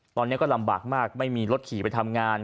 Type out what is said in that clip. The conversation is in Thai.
ตอนนี้ก็ลำบากมากไม่มีรถขี่ไปทำงาน